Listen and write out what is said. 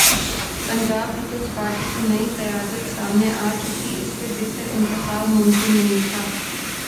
Punjab Peoples Party کی نئی قیادت سامنے آ چکی اس سے بہتر انتخاب ممکن نہیں تھا۔